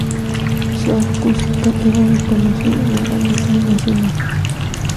Su acústica es reconocida en el ámbito nacional.